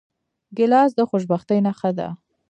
ګیلاس د خوشبختۍ نښه ده.